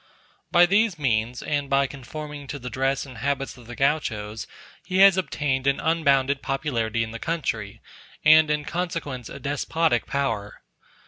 By these means, and by conforming to the dress and habits of the Gauchos, he has obtained an unbounded popularity in the country, and in consequence a despotic power.